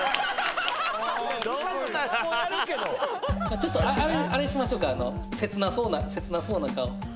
ちょっとあれしましょうかあの切なそうな。